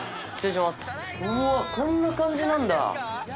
こんな感じなんだ。